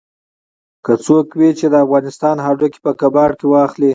که څوک وي چې د افغانستان هډوکي په کباړ کې واخلي.